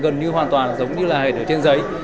gần như hoàn toàn giống như là ở trên giấy